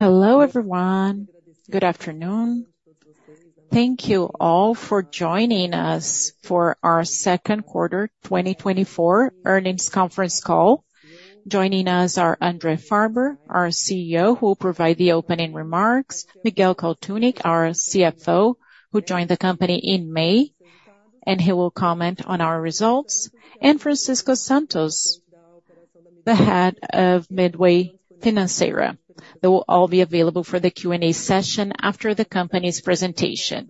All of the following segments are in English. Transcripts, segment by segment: Hello, everyone. Good afternoon. Thank you all for joining us for our second quarter 2024 earnings conference call. Joining us are André Farber, our CEO, who will provide the opening remarks, Miguel Colquhoun, our CFO, who joined the company in May, and he will comment on our results, and Francisco Santos, the head of midway Financeira. They will all be available for the Q&A session after the company's presentation.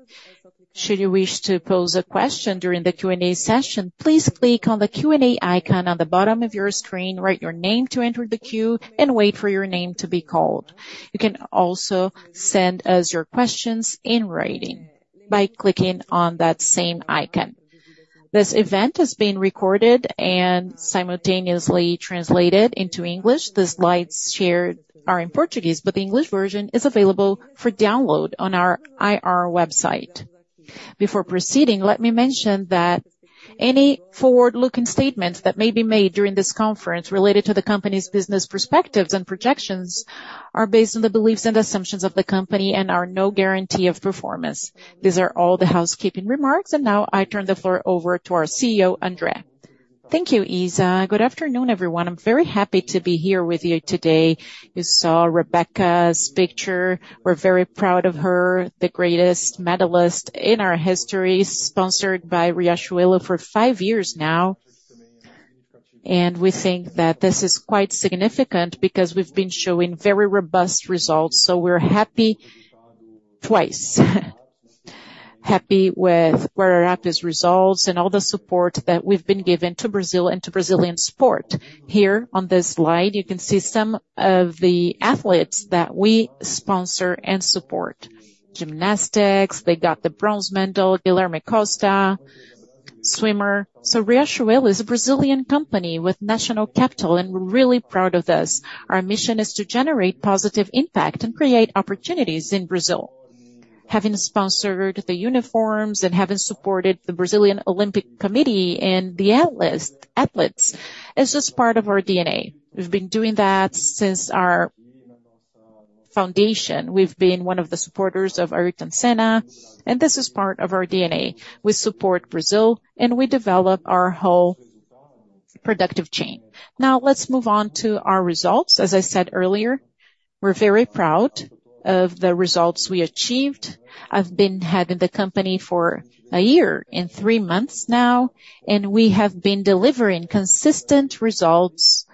Should you wish to pose a question during the Q&A session, please click on the Q&A icon on the bottom of your screen, write your name to enter the queue, and wait for your name to be called. You can also send us your questions in writing by clicking on that same icon. This event is being recorded and simultaneously translated into English. The slides shared are in Portuguese, but the English version is available for download on our IR website. Before proceeding, let me mention that any forward-looking statements that may be made during this conference related to the company's business perspectives and projections are based on the beliefs and assumptions of the company and are no guarantee of performance. These are all the housekeeping remarks, and now I turn the floor over to our CEO, André. Thank you, Isa. Good afternoon, everyone. I'm very happy to be here with you today. You saw Rebeca's picture. We're very proud of her, the greatest medalist in our history, sponsored by Riachuelo for five years now. And we think that this is quite significant because we've been showing very robust results, so we're happy twice. Happy with where we're at, these results, and all the support that we've been given to Brazil and to Brazilian sport. Here on this slide, you can see some of the athletes that we sponsor and support. Gymnastics, they got the bronze medal. Guilherme Costa, swimmer. So Riachuelo is a Brazilian company with national capital, and we're really proud of this. Our mission is to generate positive impact and create opportunities in Brazil. Having sponsored the uniforms and having supported the Brazilian Olympic Committee and the athletes is just part of our DNA. We've been doing that since our foundation. We've been one of the supporters of Ayrton Senna, and this is part of our DNA. We support Brazil, and we develop our whole productive chain. Now, let's move on to our results. As I said earlier, we're very proud of the results we achieved. I've been heading the company for a year and three months now, and we have been delivering consistent results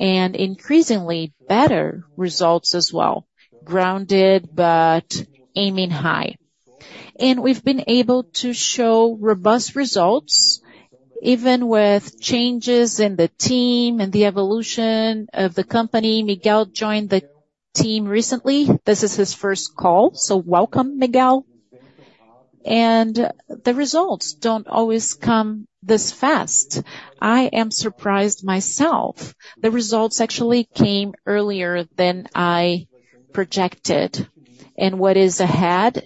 and increasingly better results as well, grounded but aiming high. We've been able to show robust results, even with changes in the team and the evolution of the company. Miguel joined the team recently. This is his first call, so welcome, Miguel. The results don't always come this fast. I am surprised myself. The results actually came earlier than I projected, and what is ahead is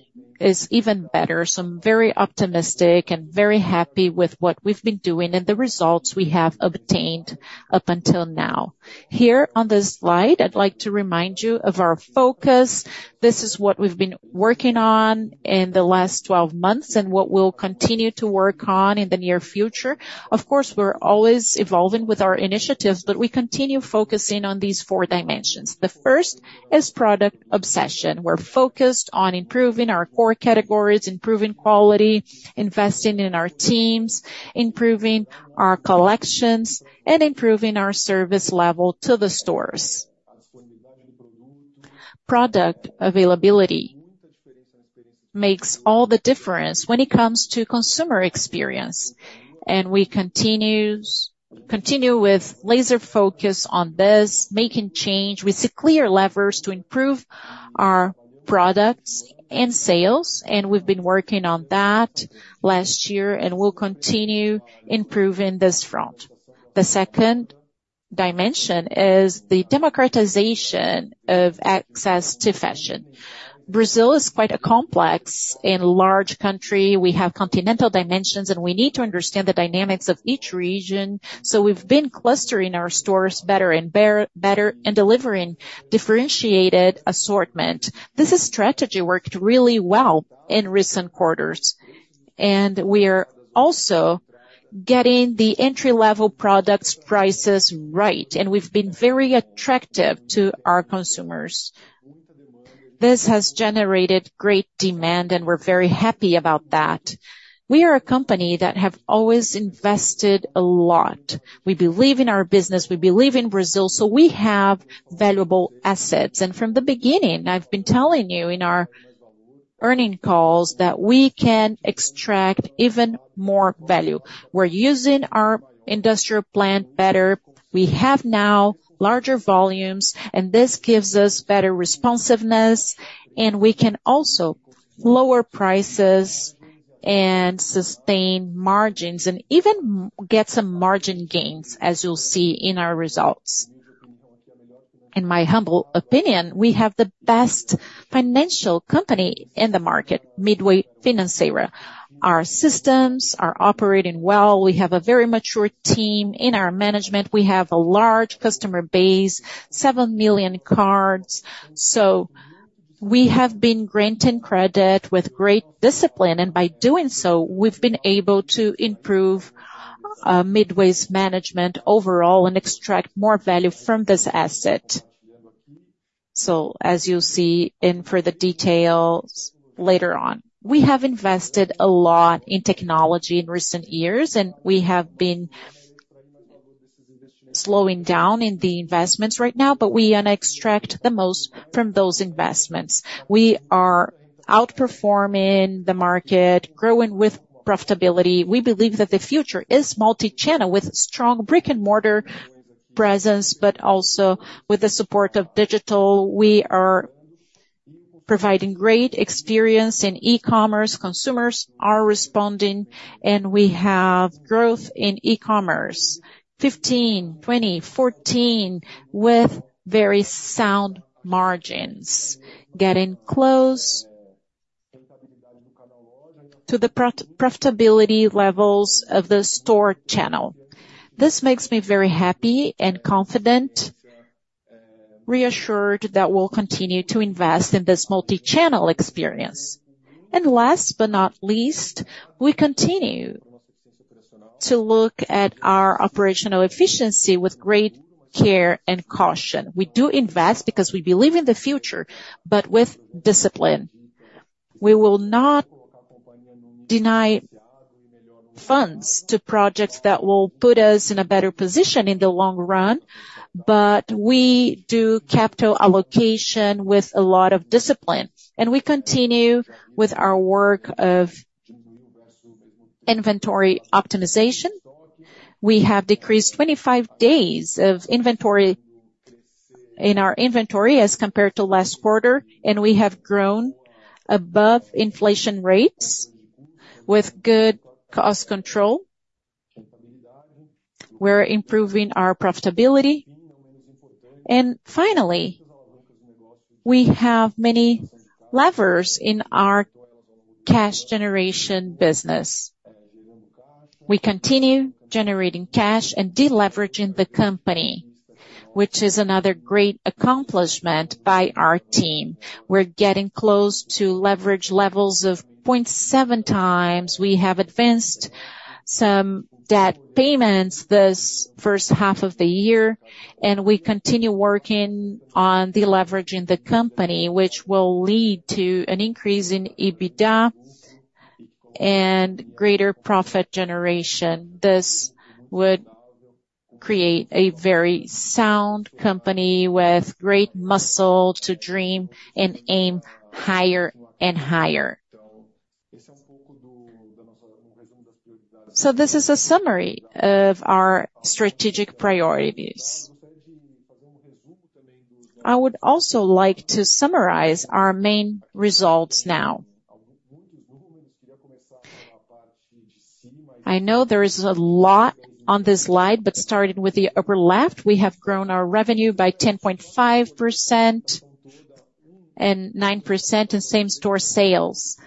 even better. I'm very optimistic and very happy with what we've been doing and the results we have obtained up until now. Here on this slide, I'd like to remind you of our focus. This is what we've been working on in the last 12 months and what we'll continue to work on in the near future. Of course, we're always evolving with our initiatives, but we continue focusing on these four dimensions. The first is product obsession. We're focused on improving our core categories, improving quality, investing in our teams, improving our collections, and improving our service level to the stores. Product availability makes all the difference when it comes to consumer experience, and we continue with laser focus on this, making change. We see clear levers to improve our products and sales, and we've been working on that last year, and we'll continue improving this front. The second dimension is the democratization of access to fashion. Brazil is quite a complex and large country. We have continental dimensions, and we need to understand the dynamics of each region, so we've been clustering our stores better and better, and delivering differentiated assortment. This strategy worked really well in recent quarters, and we are also getting the entry-level products prices right, and we've been very attractive to our consumers. This has generated great demand, and we're very happy about that. We are a company that have always invested a lot. We believe in our business, we believe in Brazil, so we have valuable assets. From the beginning, I've been telling you in our earnings calls that we can extract even more value. We're using our industrial plant better. We have now larger volumes, and this gives us better responsiveness, and we can also lower prices and sustain margins, and even get some margin gains, as you'll see in our results. In my humble opinion, we have the best financial company in the market, midway Financeira. Our systems are operating well. We have a very mature team in our management. We have a large customer base, 7 million cards. We have been granting credit with great discipline, and by doing so, we've been able to improve, midway's management overall and extract more value from this asset. So as you'll see in further details later on, we have invested a lot in technology in recent years, and we have been slowing down in the investments right now, but we want to extract the most from those investments. We are outperforming the market, growing with profitability. We believe that the future is multi-channel with strong brick-and-mortar presence, but also with the support of digital. We are providing great experience in e-commerce. Consumers are responding, and we have growth in e-commerce, 15, 20, 14, with very sound margins, getting close to the profitability levels of the store channel. This makes me very happy and confident, reassured that we'll continue to invest in this multi-channel experience. Last but not least, we continue to look at our operational efficiency with great care and caution. We do invest because we believe in the future, but with discipline. We will not deny funds to projects that will put us in a better position in the long run, but we do capital allocation with a lot of discipline, and we continue with our work of inventory optimization. We have decreased 25 days of inventory in our inventory as compared to last quarter, and we have grown above inflation rates with good cost control. We're improving our profitability. Finally, we have many levers in our cash generation business. We continue generating cash and deleveraging the company, which is another great accomplishment by our team. We're getting close to leverage levels of 0.7x. We have advanced some debt payments this first half of the year, and we continue working on deleveraging the company, which will lead to an increase in EBITDA and greater profit generation. This would create a very sound company with great muscle to dream and aim higher and higher. This is a summary of our strategic priorities. I would also like to summarize our main results now. I know there is a lot on this slide, but starting with the upper left, we have grown our revenue by 10.5% and 9% in same-store sales.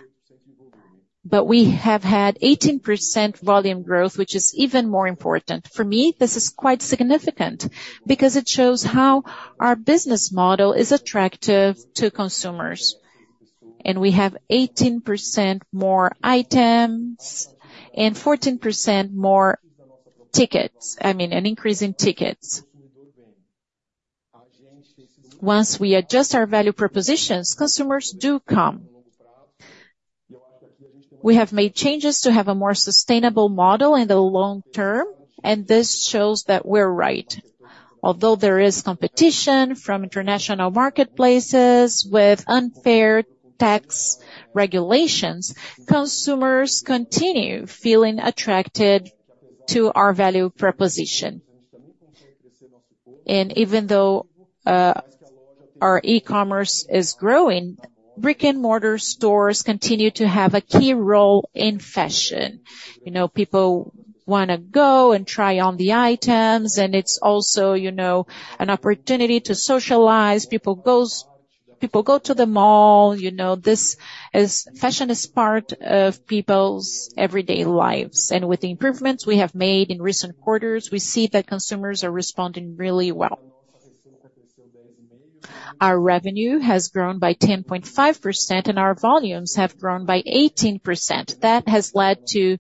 We have had 18% volume growth, which is even more important. For me, this is quite significant because it shows how our business model is attractive to consumers, and we have 18% more items and 14% more tickets, I mean, an increase in tickets. Once we adjust our value propositions, consumers do come. We have made changes to have a more sustainable model in the long term, and this shows that we're right. Although there is competition from international marketplaces with unfair tax regulations, consumers continue feeling attracted to our value proposition. And even though our e-commerce is growing, brick-and-mortar stores continue to have a key role in fashion. You know, people wanna go and try on the items, and it's also, you know, an opportunity to socialize. People go to the mall, you know, fashion is part of people's everyday lives, and with the improvements we have made in recent quarters, we see that consumers are responding really well. Our revenue has grown by 10.5%, and our volumes have grown by 18%. That has led to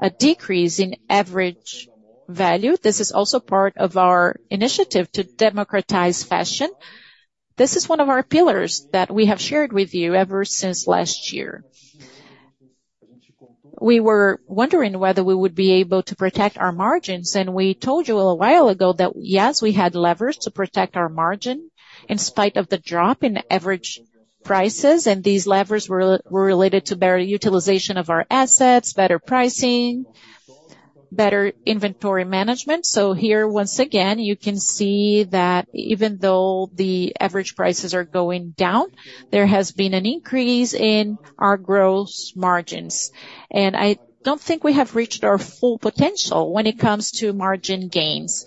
a decrease in average value. This is also part of our initiative to democratize fashion. This is one of our pillars that we have shared with you ever since last year. We were wondering whether we would be able to protect our margins, and we told you a while ago that, yes, we had levers to protect our margin in spite of the drop in average prices, and these levers were related to better utilization of our assets, better pricing, better inventory management. So here, once again, you can see that even though the average prices are going down, there has been an increase in our gross margins. And I don't think we have reached our full potential when it comes to margin gains.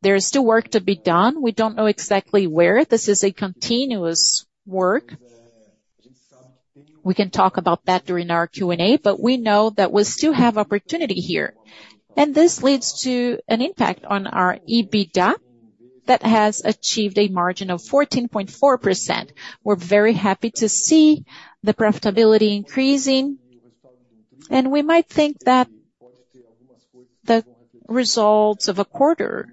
There is still work to be done. We don't know exactly where. This is a continuous work. We can talk about that during our Q&A, but we know that we still have opportunity here. And this leads to an impact on our EBITDA, that has achieved a margin of 14.4%. We're very happy to see the profitability increasing, and we might think that the results of a quarter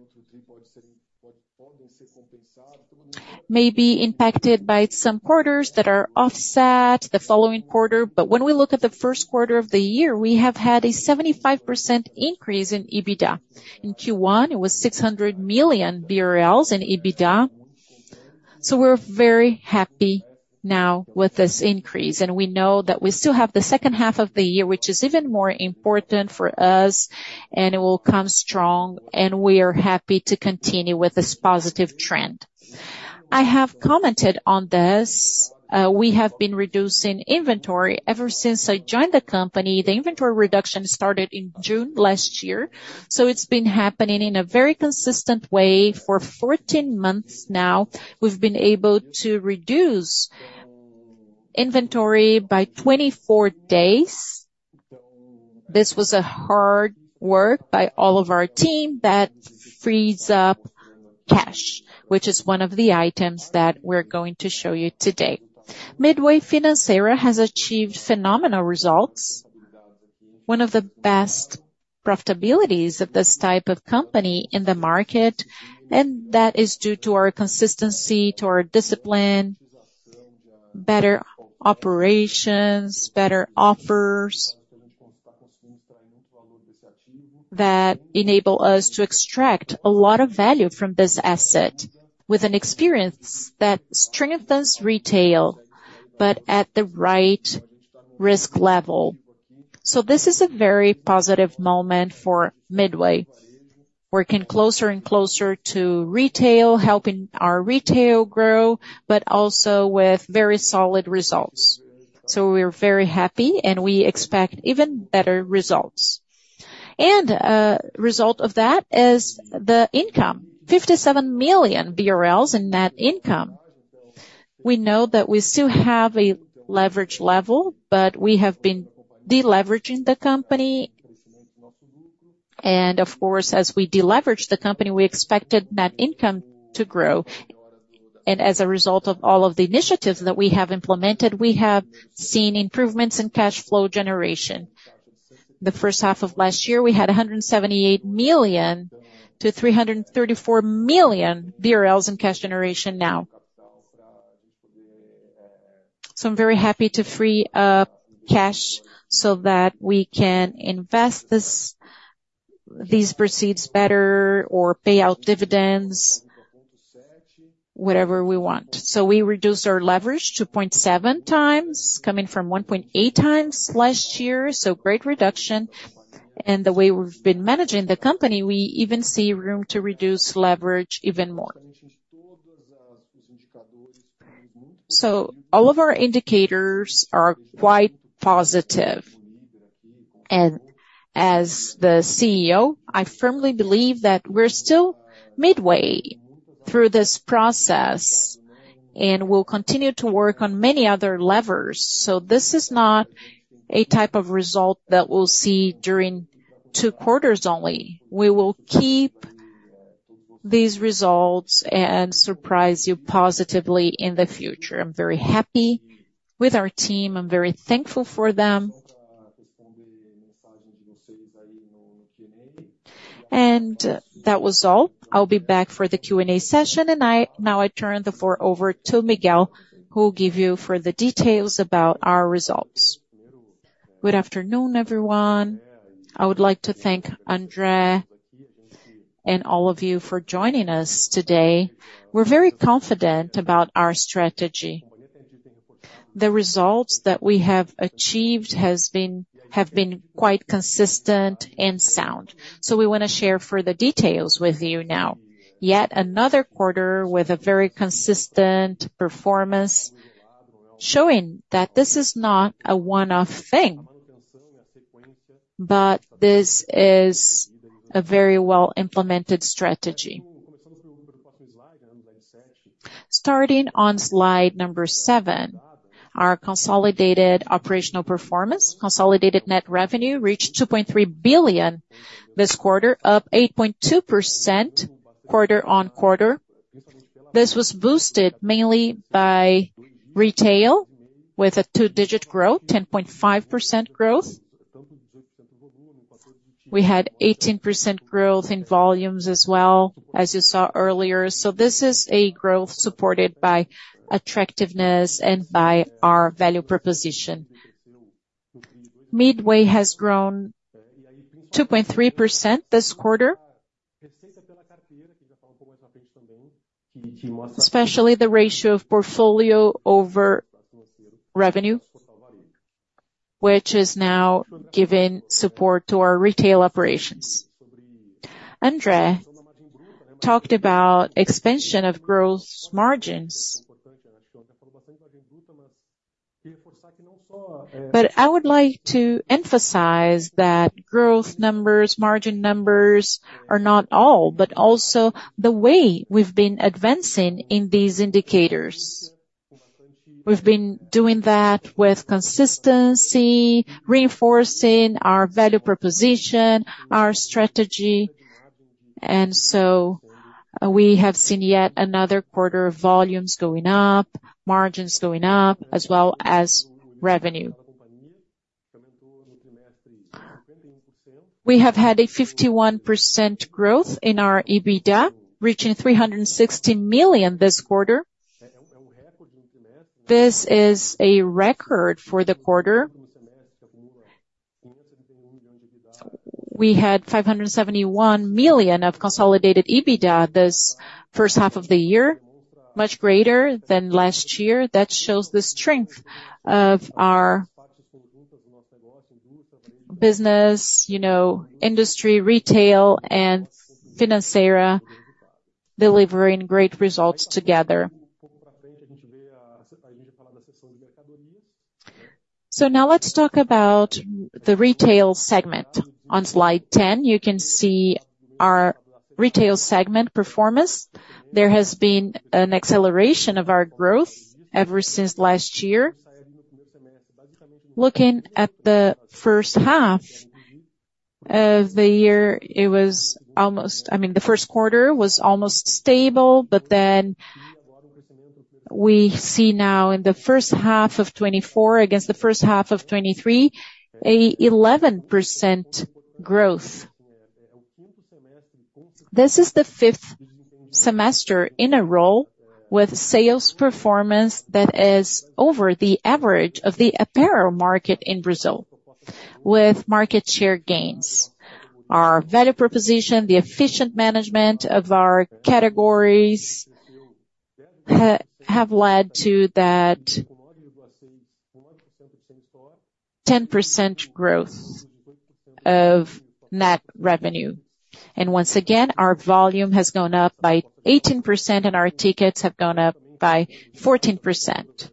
may be impacted by some quarters that are offset the following quarter. But when we look at the first quarter of the year, we have had a 75% increase in EBITDA. In Q1, it was 600 million BRL in EBITDA. So we're very happy now with this increase, and we know that we still have the second half of the year, which is even more important for us, and it will come strong, and we are happy to continue with this positive trend. I have commented on this, we have been reducing inventory ever since I joined the company. The inventory reduction started in June last year, so it's been happening in a very consistent way for 14 months now. We've been able to reduce inventory by 24 days. This was a hard work by all of our team that frees up cash, which is one of the items that we're going to show you today. midway Financeira has achieved phenomenal results, one of the best profitabilities of this type of company in the market, and that is due to our consistency, to our discipline, better operations, better offers, that enable us to extract a lot of value from this asset, with an experience that strengthens retail, but at the right risk level. This is a very positive moment for midway, working closer and closer to retail, helping our retail grow, but also with very solid results. We're very happy, and we expect even better results. Result of that is the income, 57 million BRL in net income. We know that we still have a leverage level, but we have been de-leveraging the company, and of course, as we de-leverage the company, we expected net income to grow. As a result of all of the initiatives that we have implemented, we have seen improvements in cash flow generation. The first half of last year, we had 178 million-334 million BRL in cash generation now. I'm very happy to free up cash so that we can invest this, these proceeds better or pay out dividends, whatever we want. We reduced our leverage to 0.7x, coming from 1.8x last year, so great reduction. The way we've been managing the company, we even see room to reduce leverage even more. All of our indicators are quite positive. As the CEO, I firmly believe that we're still midway through this process, and we'll continue to work on many other levers. So this is not a type of result that we'll see during two quarters only. We will keep these results and surprise you positively in the future. I'm very happy with our team. I'm very thankful for them. And that was all. I'll be back for the Q&A session, and now I turn the floor over to Miguel, who will give you further details about our results. Good afternoon, everyone. I would like to thank André and all of you for joining us today. We're very confident about our strategy. The results that we have achieved have been quite consistent and sound. So we want to share further details with you now. Yet another quarter with a very consistent performance, showing that this is not a one-off thing, but this is a very well-implemented strategy. Starting on slide number seven, our consolidated operational performance. Consolidated net revenue reached 2.3 billion this quarter, up 8.2% quarter-over-quarter. This was boosted mainly by retail, with a two-digit growth, 10.5% growth. We had 18% growth in volumes as well, as you saw earlier. So this is a growth supported by attractiveness and by our value proposition. midway has grown 2.3% this quarter, especially the ratio of portfolio over revenue, which is now giving support to our retail operations. André talked about expansion of growth margins. But I would like to emphasize that growth numbers, margin numbers are not all, but also the way we've been advancing in these indicators. We've been doing that with consistency, reinforcing our value proposition, our strategy, and so we have seen yet another quarter of volumes going up, margins going up, as well as revenue. We have had a 51% growth in our EBITDA, reaching 360 million this quarter. This is a record for the quarter. We had 571 million of consolidated EBITDA this first half of the year, much greater than last year. That shows the strength of our business, you know, industrial, retail, and financeira, delivering great results together. So now let's talk about the retail segment. On Slide 10, you can see our retail segment performance. There has been an acceleration of our growth ever since last year. Looking at the first half of the year, it was almost, I mean, the first quarter was almost stable, but then we see now in the first half of 2024, against the first half of 2023, an 11% growth. This is the fifth semester in a row with sales performance that is over the average of the apparel market in Brazil, with market share gains. Our value proposition, the efficient management of our categories, have led to that 10% growth of net revenue. And once again, our volume has gone up by 18%, and our tickets have gone up by 14%.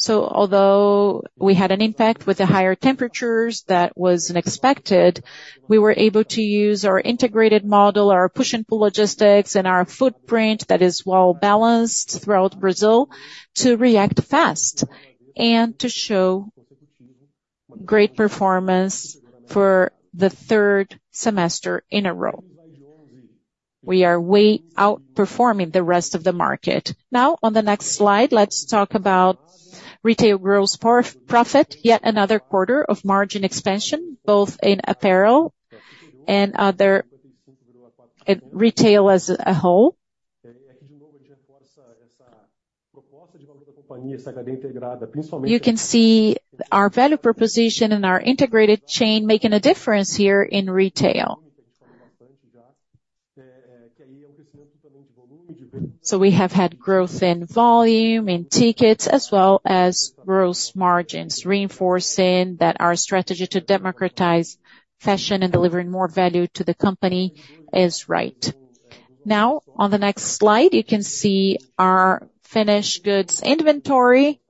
So although we had an impact with the higher temperatures, that was unexpected, we were able to use our integrated model, our push and pull logistics, and our footprint that is well balanced throughout Brazil, to react fast and to show great performance for the third semester in a row. We are way outperforming the rest of the market. Now, on the next slide, let's talk about retail gross profit, yet another quarter of margin expansion, both in apparel and other retail as a whole. You can see our value proposition and our integrated chain making a difference here in retail. So we have had growth in volume, in tickets, as well as gross margins, reinforcing that our strategy to democratize fashion and delivering more value to the company is right. Now, on the next slide, you can see our finished goods inventory.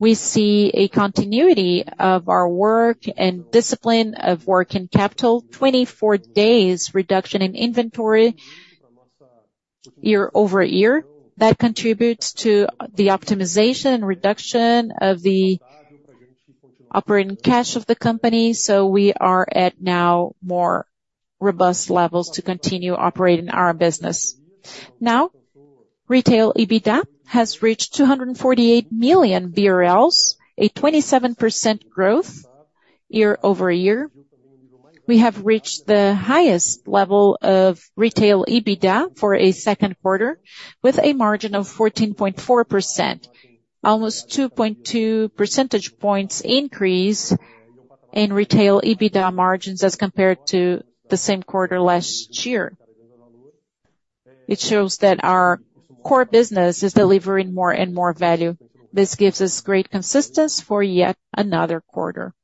We see a continuity of our work and discipline of work and capital. 24 days reduction in inventory year-over-year. That contributes to the optimization and reduction of the operating cash of the company, so we are at now more robust levels to continue operating our business. Now, retail EBITDA has reached 248 million BRL, a 27% growth year-over-year. We have reached the highest level of retail EBITDA for a second quarter, with a margin of 14.4%, almost 2.2 percentage points increase in retail EBITDA margins as compared to the same quarter last year. It shows that our core business is delivering more and more value. This gives us great consistency for yet another quarter.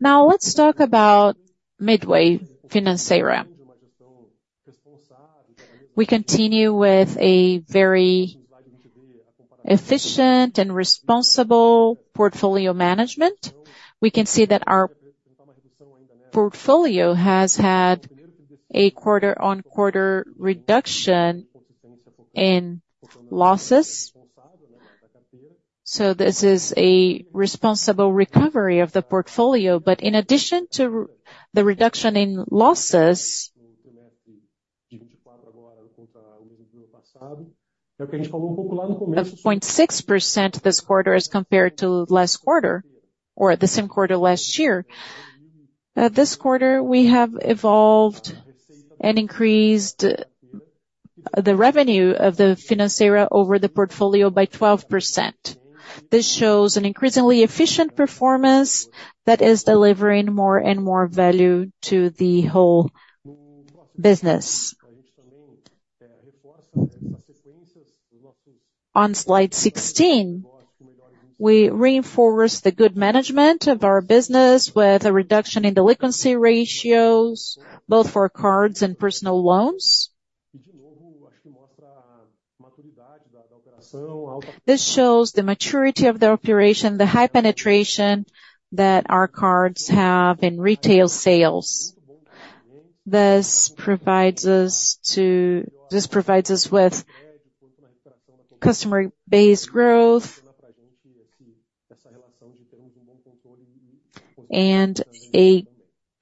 Now, let's talk about midway Financeira. We continue with a very efficient and responsible portfolio management. We can see that our portfolio has had a quarter-on-quarter reduction in losses, so this is a responsible recovery of the portfolio. But in addition to the reduction in losses, of 0.6% this quarter as compared to last quarter, or the same quarter last year, this quarter, we have evolved and increased the revenue of the Financeira over the portfolio by 12%. This shows an increasingly efficient performance that is delivering more and more value to the whole business. On slide 16, we reinforce the good management of our business with a reduction in delinquency ratios, both for cards and personal loans. This shows the maturity of the operation, the high penetration that our cards have in retail sales. This provides us with customer base growth and a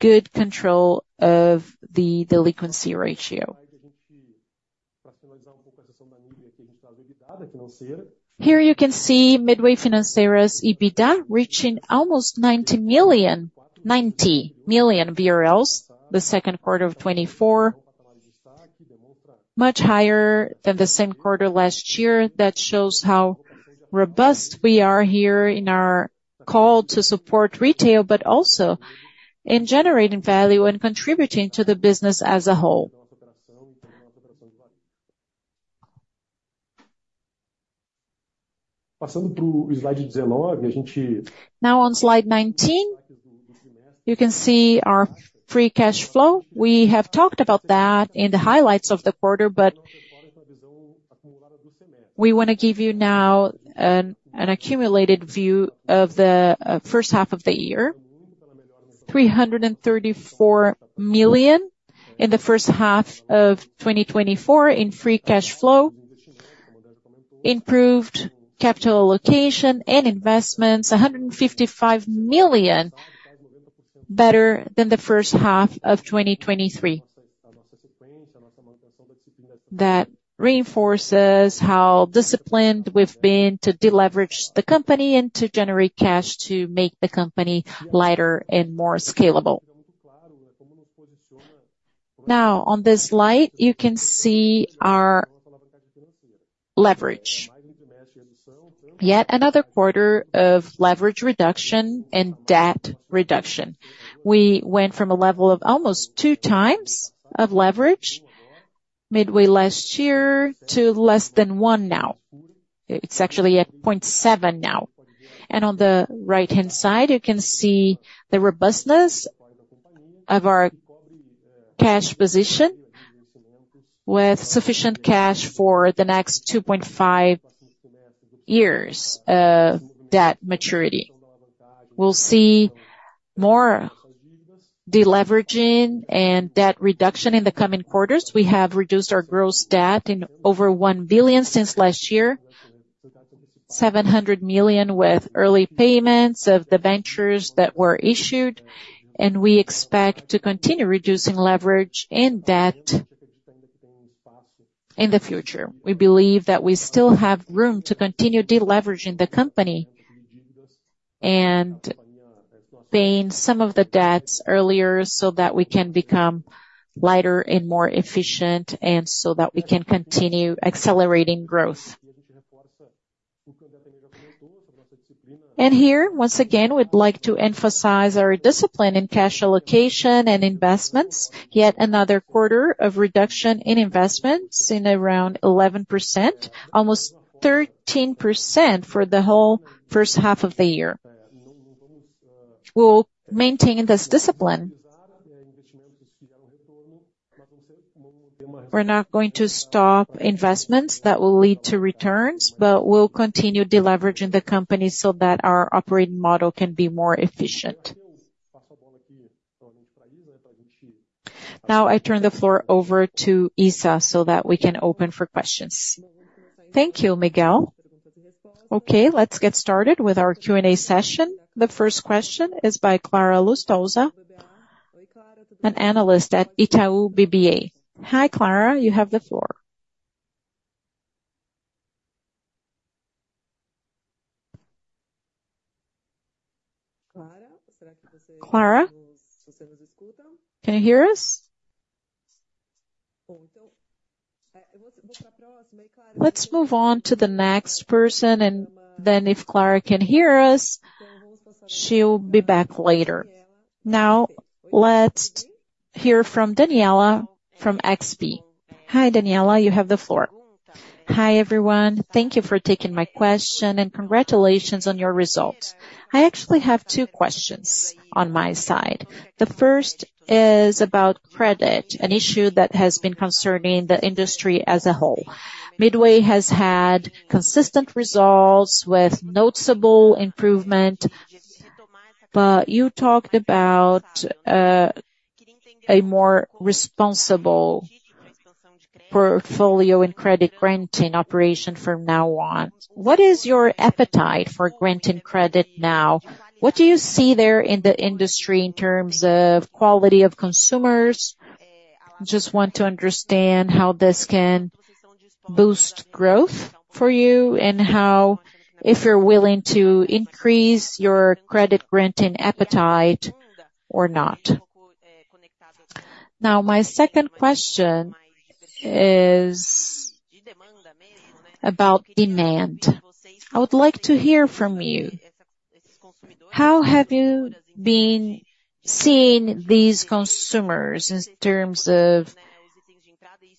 good control of the delinquency ratio. Here you can see midway Financeira's EBITDA reaching almost 90 million, 90 million BRL, the second quarter of 2024, much higher than the same quarter last year. That shows how robust we are here in our call to support retail, but also in generating value and contributing to the business as a whole. Now on slide 19, you can see our free cash flow. We have talked about that in the highlights of the quarter, but we want to give you now an accumulated view of the first half of the year. 334 million in the first half of 2024 in free cash flow, improved capital allocation and investments, 155 million better than the first half of 2023. That reinforces how disciplined we've been to deleverage the company and to generate cash to make the company lighter and more scalable. Now, on this slide, you can see our leverage. Yet another quarter of leverage reduction and debt reduction. We went from a level of almost two times of leverage midway last year to less than one now. It's actually at 0.7 now. And on the right-hand side, you can see the robustness of our cash position with sufficient cash for the next 2.5 years of debt maturity. We'll see more deleveraging and debt reduction in the coming quarters. We have reduced our gross debt in over 1 billion since last year, 700 million with early payments of the ventures that were issued, and we expect to continue reducing leverage and debt in the future. We believe that we still have room to continue deleveraging the company and paying some of the debts earlier so that we can become lighter and more efficient, and so that we can continue accelerating growth. Here, once again, we'd like to emphasize our discipline in cash allocation and investments. Yet another quarter of reduction in investments in around 11%, almost 13% for the whole first half of the year. We'll maintain this discipline. We're not going to stop investments that will lead to returns, but we'll continue deleveraging the company so that our operating model can be more efficient. Now, I turn the floor over to Isa, so that we can open for questions. Thank you, Miguel. Okay, let's get started with our Q&A session. The first question is by Clara Lustosa, an analyst at Itaú BBA. Hi, Clara, you have the floor. Clara, can you hear us? Let's move on to the next person, and then if Clara can hear us, she'll be back later. Now, let's hear from Daniela from XP. Hi, Daniela, you have the floor. Hi, everyone. Thank you for taking my question, and congratulations on your results. I actually have two questions on my side. The first is about credit, an issue that has been concerning the industry as a whole. midway has had consistent results with noticeable improvement, but you talked about a more responsible portfolio and credit granting operation from now on. What is your appetite for granting credit now? What do you see there in the industry in terms of quality of consumers? Just want to understand how this can boost growth for you and how - if you're willing to increase your credit granting appetite or not. Now, my second question is about demand. I would like to hear from you, how have you been seeing these consumers in terms of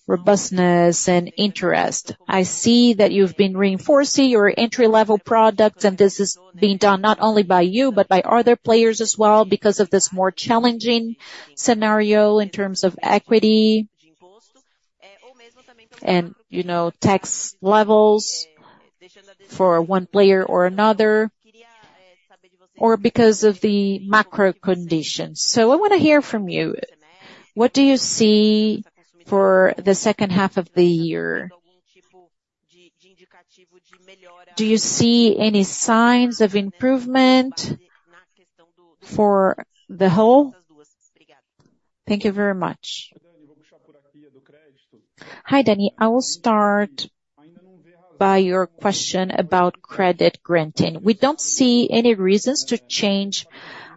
robustness and interest? I see that you've been reinforcing your entry-level products, and this is being done not only by you, but by other players as well, because of this more challenging scenario in terms of equity... and, you know, tax levels for one player or another, or because of the macro conditions. So I wanna hear from you, what do you see for the second half of the year? Do you see any signs of improvement for the whole? Thank you very much. Hi, Danny. I will start by your question about credit granting. We don't see any reasons to change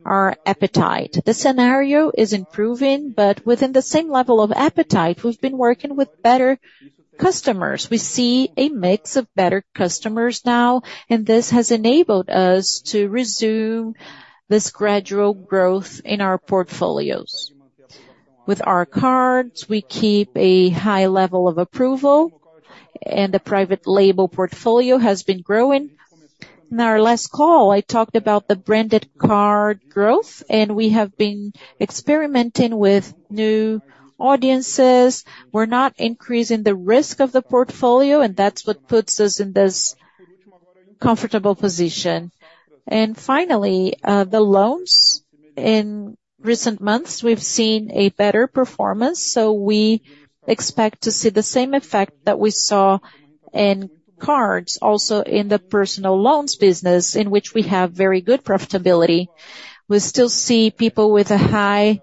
our appetite. The scenario is improving, but within the same level of appetite, we've been working with better customers. We see a mix of better customers now, and this has enabled us to resume this gradual growth in our portfolios. With our cards, we keep a high level of approval, and the private label portfolio has been growing. In our last call, I talked about the branded card growth, and we have been experimenting with new audiences. We're not increasing the risk of the portfolio, and that's what puts us in this comfortable position. And finally, the loans. In recent months, we've seen a better performance, so we expect to see the same effect that we saw in cards also in the personal loans business, in which we have very good profitability. We still see people with a high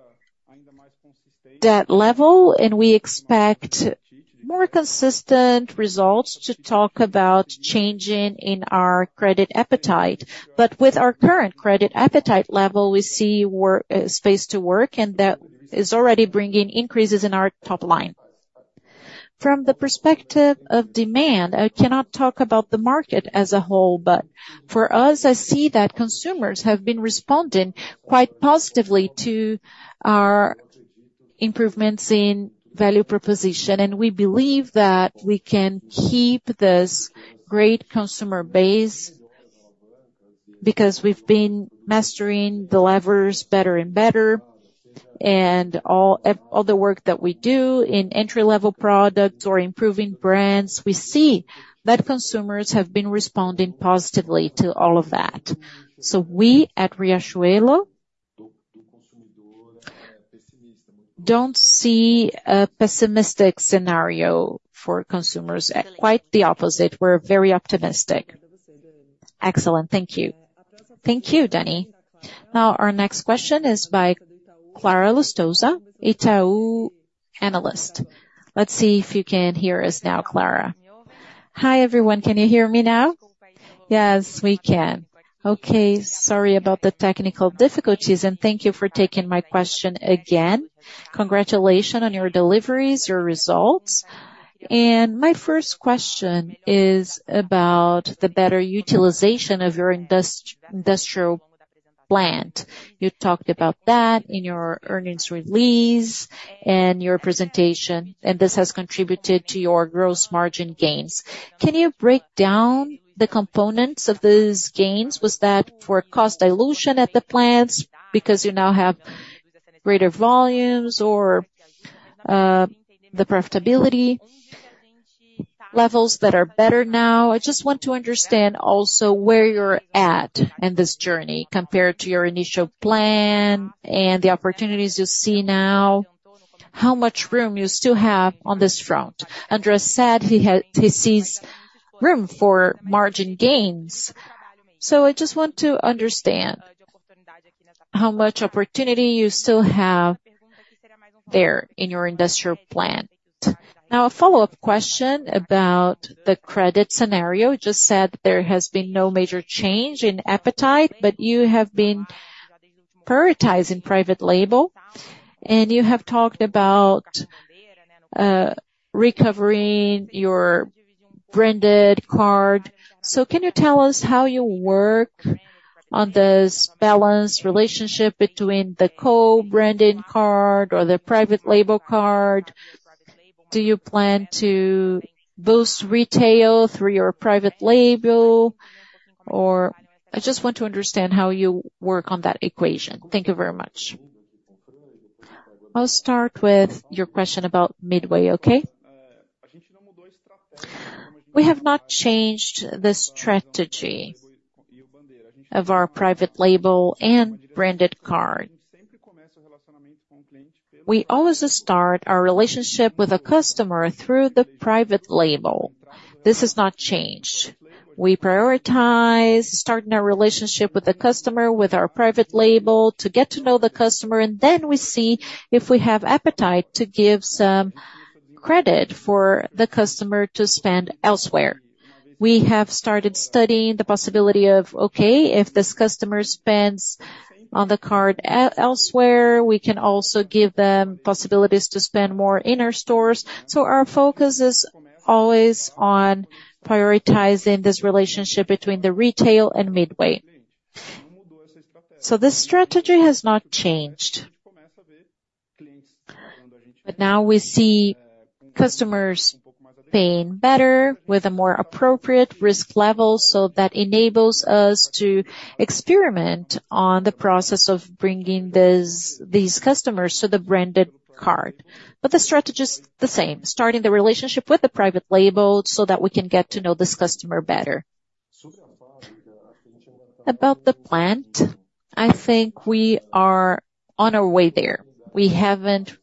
debt level, and we expect more consistent results to talk about changing in our credit appetite. But with our current credit appetite level, we see space to work, and that is already bringing increases in our top line. From the perspective of demand, I cannot talk about the market as a whole, but for us, I see that consumers have been responding quite positively to our improvements in value proposition, and we believe that we can keep this great consumer base, because we've been mastering the levers better and better, and all the work that we do in entry-level products or improving brands, we see that consumers have been responding positively to all of that. So we, at Riachuelo, don't see a pessimistic scenario for consumers. Quite the opposite, we're very optimistic. Excellent. Thank you. Thank you, Danny. Now, our next question is by Clara Lustosa, Itaú analyst. Let's see if you can hear us now, Clara. Hi, everyone. Can you hear me now? Yes, we can. Okay, sorry about the technical difficulties, and thank you for taking my question again. Congratulations on your deliveries, your results. My first question is about the better utilization of your industrial plant. You talked about that in your earnings release and your presentation, and this has contributed to your gross margin gains. Can you break down the components of these gains? Was that for cost dilution at the plants because you now have greater volumes or the profitability levels that are better now? I just want to understand also where you're at in this journey compared to your initial plan and the opportunities you see now, how much room you still have on this front. André said he sees room for margin gains, so I just want to understand how much opportunity you still have there in your industrial plant. Now, a follow-up question about the credit scenario. You just said there has been no major change in appetite, but you have been prioritizing private label, and you have talked about recovering your branded card. So can you tell us how you work on this balanced relationship between the co-branding card or the private label card? Do you plan to boost retail through your private label, or... I just want to understand how you work on that equation. Thank you very much. I'll start with your question about midway, okay? We have not changed the strategy of our private label and branded card. We always start our relationship with a customer through the private label. This has not changed. We prioritize starting a relationship with the customer, with our private label to get to know the customer, and then we see if we have appetite to give some credit for the customer to spend elsewhere. We have started studying the possibility of, okay, if this customer spends on the card elsewhere, we can also give them possibilities to spend more in our stores. So our focus is always on prioritizing this relationship between the retail and midway. So this strategy has not changed. But now we see customers paying better with a more appropriate risk level, so that enables us to experiment on the process of bringing these customers to the branded card. But the strategy is the same, starting the relationship with the private label so that we can get to know this customer better. About the plant, I think we are on our way there. We haven't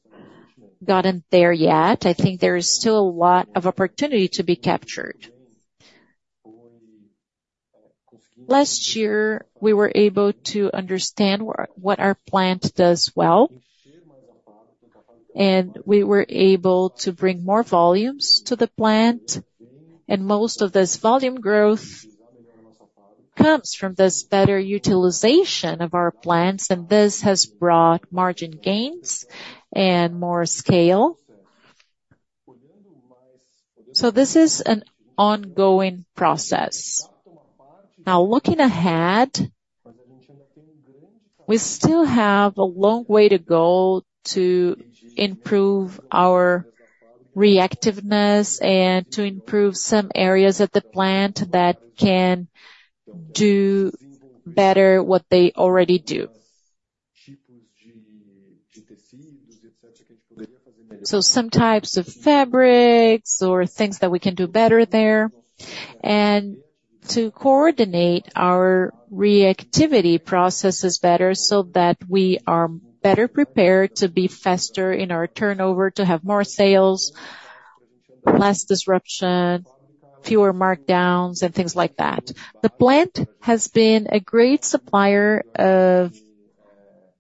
gotten there yet. I think there is still a lot of opportunity to be captured. Last year, we were able to understand what our plant does well, and we were able to bring more volumes to the plant, and most of this volume growth comes from this better utilization of our plants, and this has brought margin gains and more scale. So this is an ongoing process. Now, looking ahead, we still have a long way to go to improve our reactiveness and to improve some areas at the plant that can do better what they already do. So some types of fabrics or things that we can do better there, and to coordinate our reactivity processes better so that we are better prepared to be faster in our turnover, to have more sales, less disruption, fewer markdowns, and things like that. The plant has been a great supplier of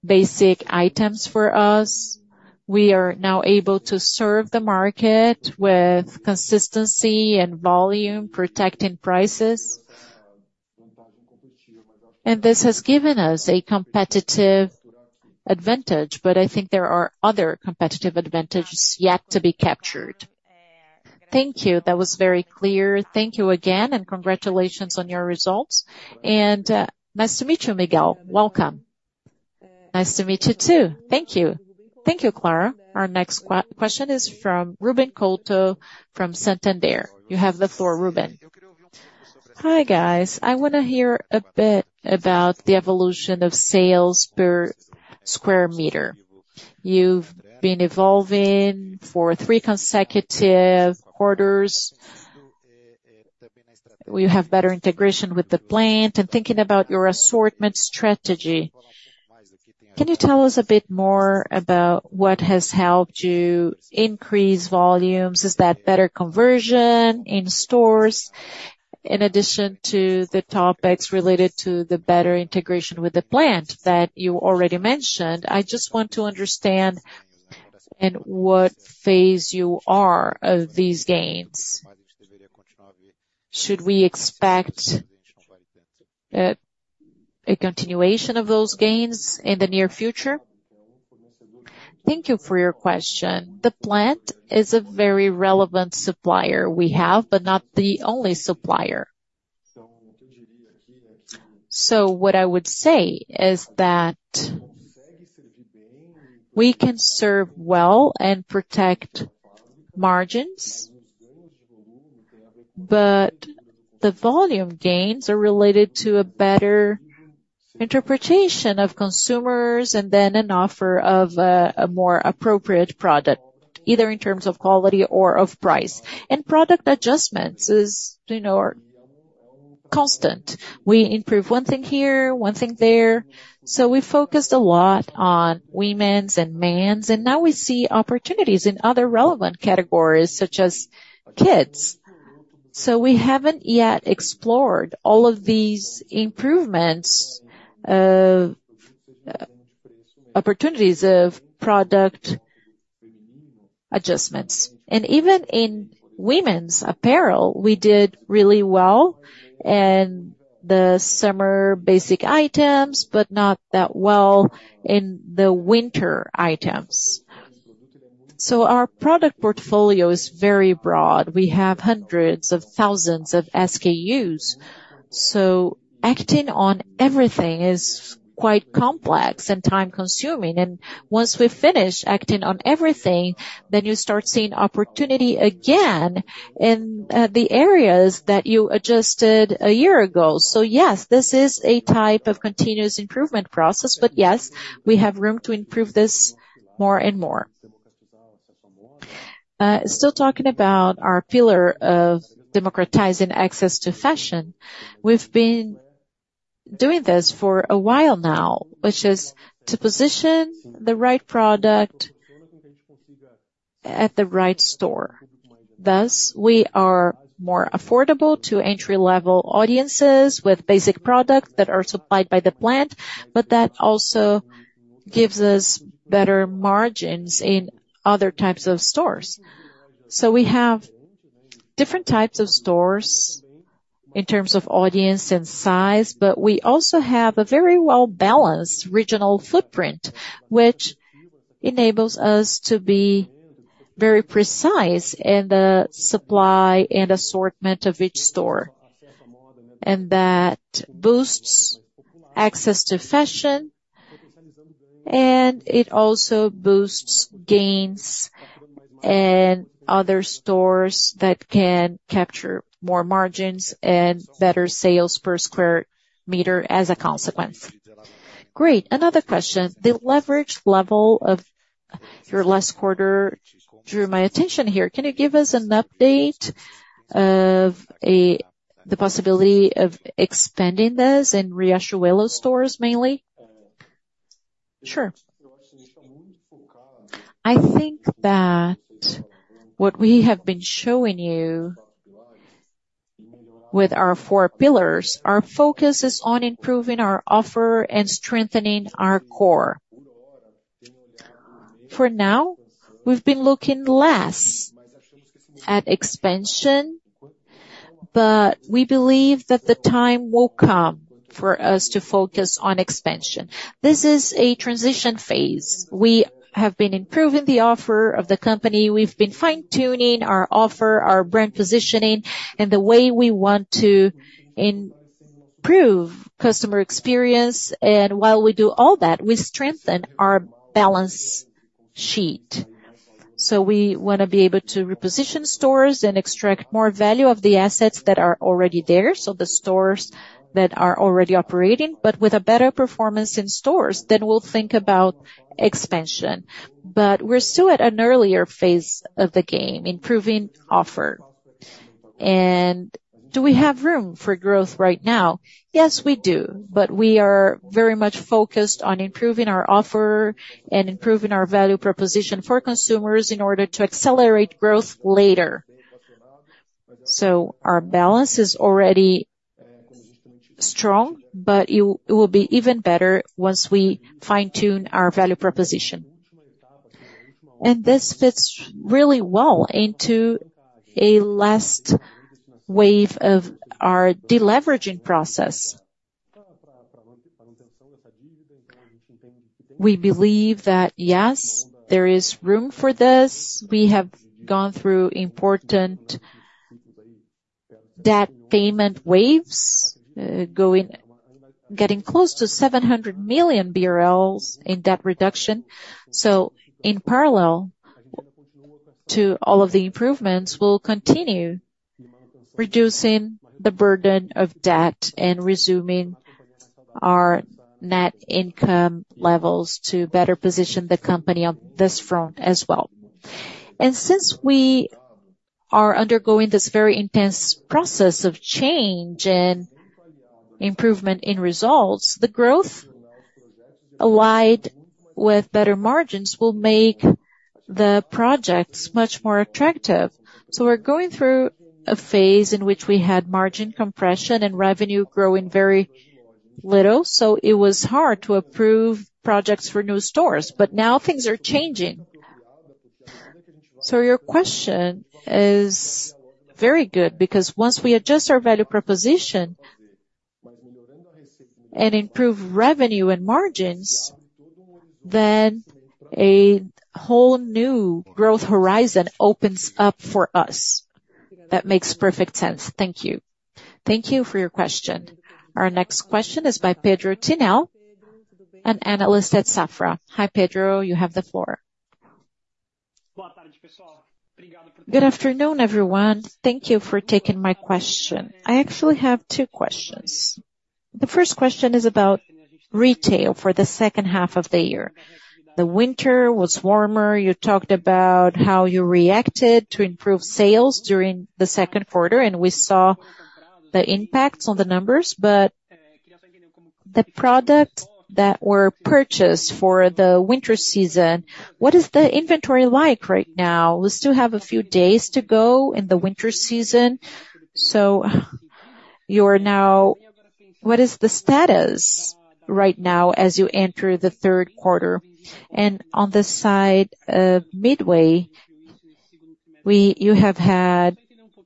basic items for us. We are now able to serve the market with consistency and volume, protecting prices. And this has given us a competitive advantage, but I think there are other competitive advantages yet to be captured. Thank you. That was very clear. Thank you again, and congratulations on your results. And, nice to meet you, Miguel. Welcome. Nice to meet you, too. Thank you. Thank you, Clara. Our next question is from Ruben Couto, from Santander. You have the floor, Ruben. Hi, guys. I wanna hear a bit about the evolution of sales per square meter. You've been evolving for three consecutive quarters. We have better integration with the plant and thinking about your assortment strategy, can you tell us a bit more about what has helped you increase volumes? Is that better conversion in stores, in addition to the topics related to the better integration with the plant that you already mentioned? I just want to understand in what phase you are of these gains. Should we expect a continuation of those gains in the near future? Thank you for your question. The plant is a very relevant supplier we have, but not the only supplier. So what I would say is that we can serve well and protect margins, but the volume gains are related to a better interpretation of consumers and then an offer of a more appropriate product, either in terms of quality or of price. And product adjustments is, you know, are constant. We improve one thing here, one thing there. So we focused a lot on women's and men's, and now we see opportunities in other relevant categories, such as kids. We haven't yet explored all of these improvements, opportunities of product adjustments. Even in women's apparel, we did really well in the summer basic items, but not that well in the winter items. Our product portfolio is very broad. We have hundreds of thousands of SKUs, so acting on everything is quite complex and time-consuming, and once we finish acting on everything, then you start seeing opportunity again in, the areas that you adjusted a year ago. Yes, this is a type of continuous improvement process, but yes, we have room to improve this more and more. Still talking about our pillar of democratizing access to fashion, we've been doing this for a while now, which is to position the right product at the right store. Thus, we are more affordable to entry-level audiences with basic products that are supplied by the plant, but that also gives us better margins in other types of stores. So we have different types of stores in terms of audience and size, but we also have a very well-balanced regional footprint, which enables us to be very precise in the supply and assortment of each store. And that boosts access to fashion, and it also boosts gains in other stores that can capture more margins and better sales per square meter as a consequence.... Great! Another question. The leverage level of your last quarter drew my attention here. Can you give us an update of the possibility of expanding this in Riachuelo stores, mainly? Sure. I think that what we have been showing you with our four pillars, our focus is on improving our offer and strengthening our core. For now, we've been looking less at expansion, but we believe that the time will come for us to focus on expansion. This is a transition phase. We have been improving the offer of the company, we've been fine-tuning our offer, our brand positioning, and the way we want to improve customer experience, and while we do all that, we strengthen our balance sheet. So we wanna be able to reposition stores and extract more value of the assets that are already there, so the stores that are already operating, but with a better performance in stores, then we'll think about expansion. But we're still at an earlier phase of the game, improving offer. And do we have room for growth right now? Yes, we do, but we are very much focused on improving our offer and improving our value proposition for consumers in order to accelerate growth later. So our balance is already strong, but it, it will be even better once we fine-tune our value proposition. And this fits really well into a last wave of our deleveraging process. We believe that, yes, there is room for this. We have gone through important debt payment waves, getting close to 700 million BRL in debt reduction. So in parallel to all of the improvements, we'll continue reducing the burden of debt and resuming our net income levels to better position the company on this front as well. And since we are undergoing this very intense process of change and improvement in results, the growth allied with better margins will make the projects much more attractive. So we're going through a phase in which we had margin compression and revenue growing very little, so it was hard to approve projects for new stores. But now things are changing. So your question is very good, because once we adjust our value proposition and improve revenue and margins, then a whole new growth horizon opens up for us. That makes perfect sense. Thank you. Thank you for your question. Our next question is by Pedro Tinoco, an analyst at Safra. Hi, Pedro, you have the floor. Good afternoon, everyone. Thank you for taking my question. I actually have two questions. The first question is about retail for the second half of the year. The winter was warmer. You talked about how you reacted to improve sales during the second quarter, and we saw the impacts on the numbers, but the product that were purchased for the winter season, what is the inventory like right now? We still have a few days to go in the winter season, so you're now—what is the status right now as you enter the third quarter? And on the side of midway, you have had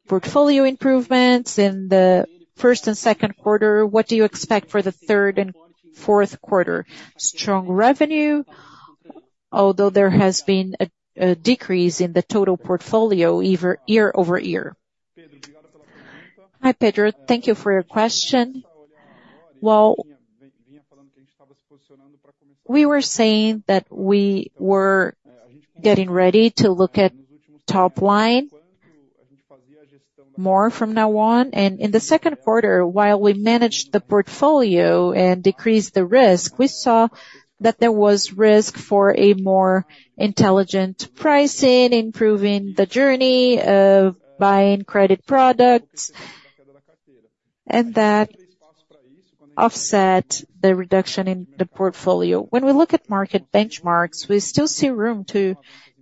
portfolio improvements in the first and second quarter. What do you expect for the third and fourth quarter? Strong revenue, although there has been a decrease in the total portfolio year-over-year. Hi, Pedro. Thank you for your question. Well, we were saying that we were getting ready to look at top line more from now on, and in the second quarter, while we managed the portfolio and decreased the risk, we saw that there was risk for a more intelligent pricing, improving the journey of buying credit products, and that offset the reduction in the portfolio. When we look at market benchmarks, we still see room to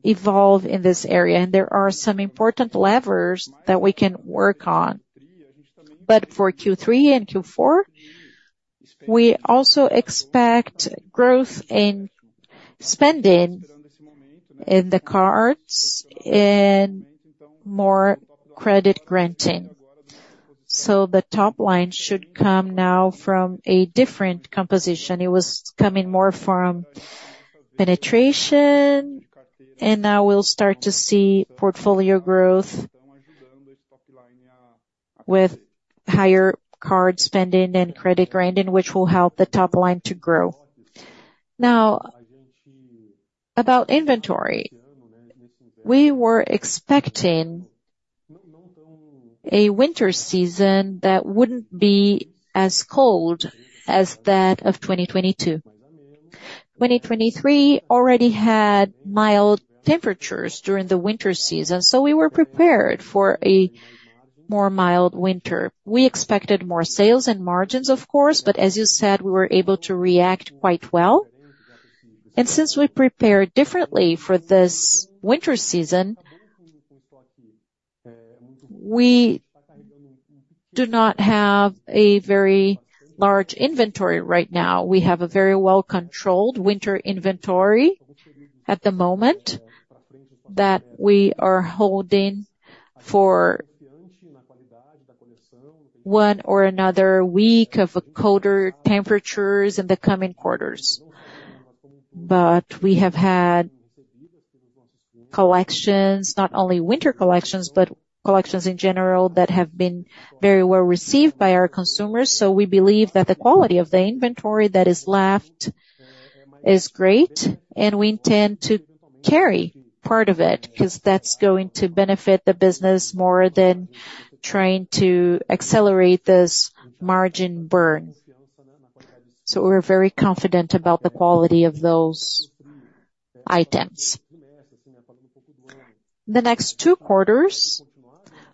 evolve in this area, and there are some important levers that we can work on. But for Q3 and Q4, we also expect growth in spending in the cards and more credit granting. So the top line should come now from a different composition. It was coming more from penetration, and now we'll start to see portfolio growth with higher card spending and credit granting, which will help the top line to grow. Now, about inventory, we were expecting... a winter season that wouldn't be as cold as that of 2022. 2023 already had mild temperatures during the winter season, so we were prepared for a more mild winter. We expected more sales and margins, of course, but as you said, we were able to react quite well. Since we prepared differently for this winter season, we do not have a very large inventory right now. We have a very well-controlled winter inventory at the moment, that we are holding for one or another week of a colder temperatures in the coming quarters. But we have had collections, not only winter collections, but collections in general, that have been very well received by our consumers. So we believe that the quality of the inventory that is left is great, and we intend to carry part of it, 'cause that's going to benefit the business more than trying to accelerate this margin burn. So we're very confident about the quality of those items. The next two quarters,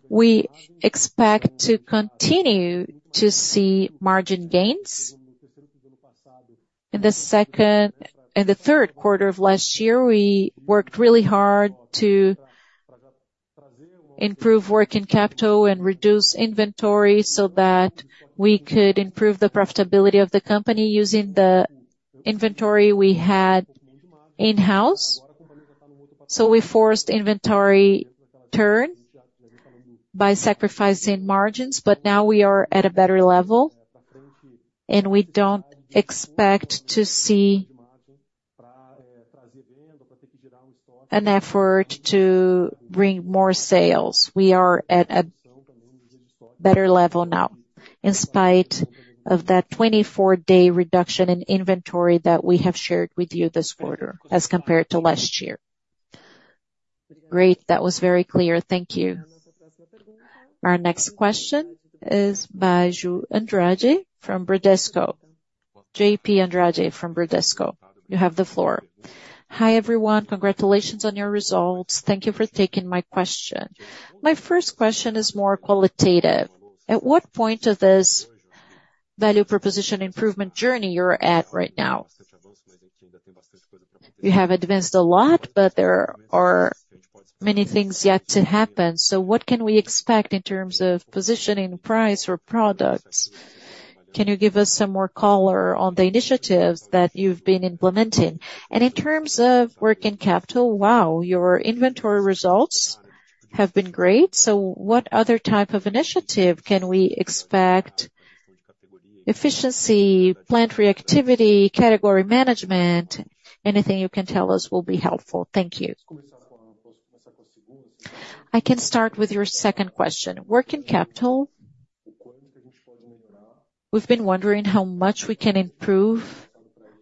we expect to continue to see margin gains. In the third quarter of last year, we worked really hard to improve working capital and reduce inventory so that we could improve the profitability of the company using the inventory we had in-house. So we forced inventory turn by sacrificing margins, but now we are at a better level, and we don't expect to see an effort to bring more sales. We are at a better level now, in spite of that 24-day reduction in inventory that we have shared with you this quarter as compared to last year. Great. That was very clear. Thank you. Our next question is by João Andrade from Bradesco. João Andrade from Bradesco, you have the floor. Hi, everyone. Congratulations on your results. Thank you for taking my question. My first question is more qualitative: At what point of this value proposition improvement journey you're at right now? You have advanced a lot, but there are many things yet to happen. So what can we expect in terms of positioning price or products? Can you give us some more color on the initiatives that you've been implementing? And in terms of working capital, wow, your inventory results have been great. So what other type of initiative can we expect? Efficiency, plant reactivity, category management, anything you can tell us will be helpful. Thank you. I can start with your second question. Working capital, we've been wondering how much we can improve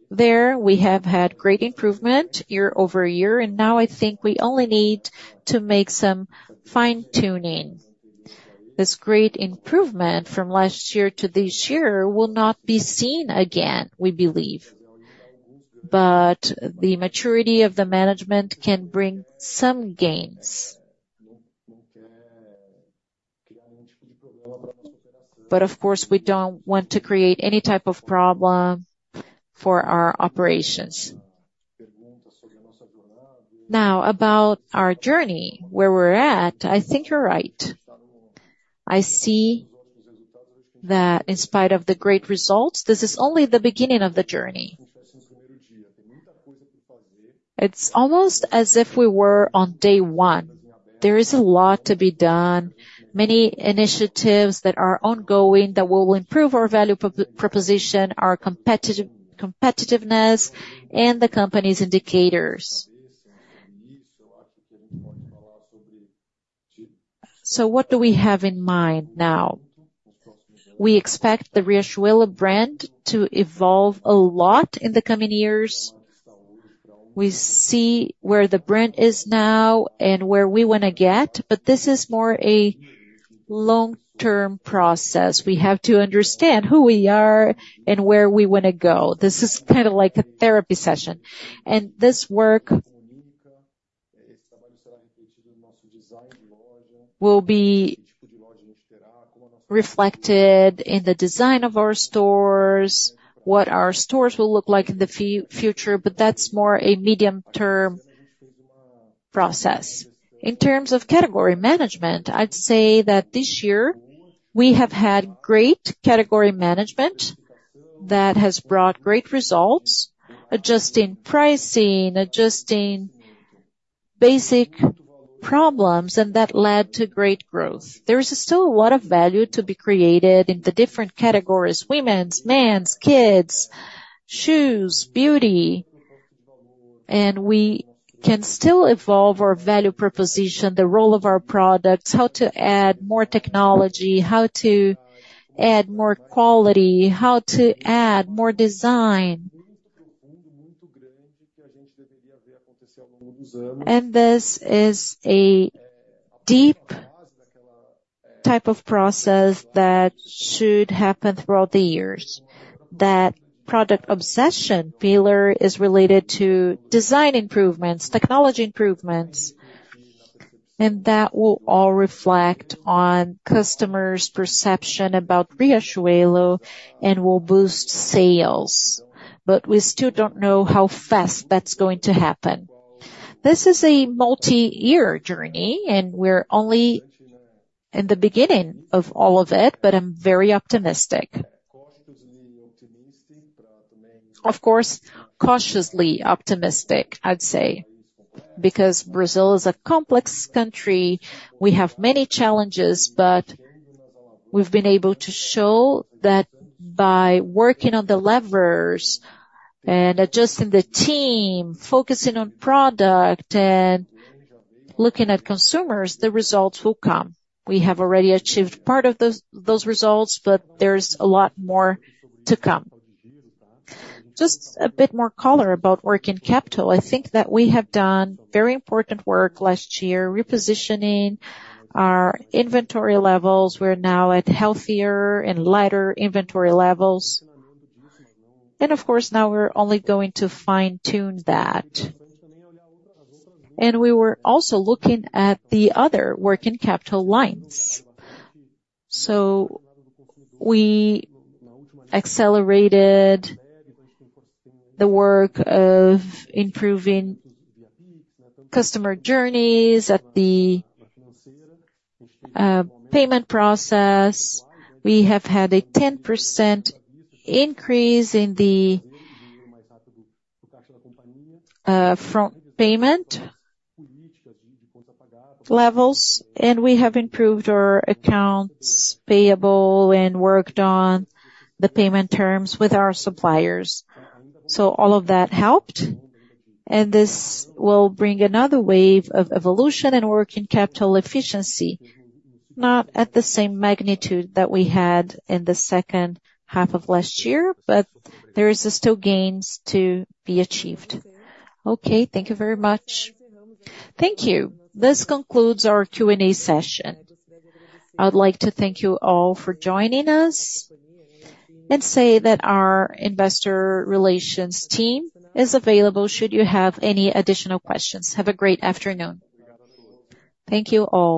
there. We have had great improvement year-over-year, and now I think we only need to make some fine-tuning. This great improvement from last year to this year will not be seen again, we believe. But the maturity of the management can bring some gains. Of course, we don't want to create any type of problem for our operations. Now, about our journey, where we're at, I think you're right. I see that in spite of the great results, this is only the beginning of the journey. It's almost as if we were on day one. There is a lot to be done, many initiatives that are ongoing that will improve our value proposition, our competitiveness, and the company's indicators. What do we have in mind now? We expect the Riachuelo brand to evolve a lot in the coming years. We see where the brand is now and where we want to get, but this is more a long-term process. We have to understand who we are and where we want to go. This is kind of like a therapy session, and this work will be reflected in the design of our stores, what our stores will look like in the future, but that's more a medium-term process. In terms of category management, I'd say that this year, we have had great category management that has brought great results, adjusting pricing, adjusting basic problems, and that led to great growth. There is still a lot of value to be created in the different categories: women's, men's, kids, shoes, beauty. And we can still evolve our value proposition, the role of our products, how to add more technology, how to add more quality, how to add more design... And this is a deep type of process that should happen throughout the years. That product obsession pillar is related to design improvements, technology improvements, and that will all reflect on customers' perception about Riachuelo and will boost sales. But we still don't know how fast that's going to happen. This is a multi-year journey, and we're only in the beginning of all of it, but I'm very optimistic. Of course, cautiously optimistic, I'd say, because Brazil is a complex country. We have many challenges, but we've been able to show that by working on the levers and adjusting the team, focusing on product and looking at consumers, the results will come. We have already achieved part of those, those results, but there's a lot more to come. Just a bit more color about working capital. I think that we have done very important work last year, repositioning our inventory levels. We're now at healthier and lighter inventory levels. And of course, now we're only going to fine-tune that. And we were also looking at the other working capital lines. So we accelerated the work of improving customer journeys at the payment process. We have had a 10% increase in the front payment levels, and we have improved our accounts payable and worked on the payment terms with our suppliers. So all of that helped, and this will bring another wave of evolution and working capital efficiency, not at the same magnitude that we had in the second half of last year, but there is still gains to be achieved. Okay, thank you very much. Thank you. This concludes our Q&A session. I would like to thank you all for joining us, and say that our investor relations team is available, should you have any additional questions. Have a great afternoon. Thank you all.